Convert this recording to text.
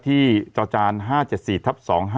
ที่จ๕๗๔ทับ๒๕๖๕